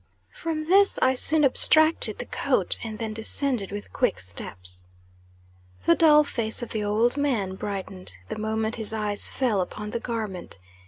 From this I soon abstracted the coat, and then descended with quick steps. The dull face of the old man brightened, the moment his eyes fell upon the garment.